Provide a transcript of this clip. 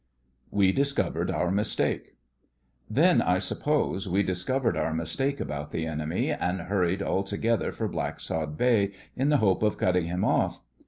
WE DISCOVERED OUR MISTAKE Then, I suppose, we discovered our mistake about the enemy, and hurried all together for Blacksod Bay in the hope of cutting him off.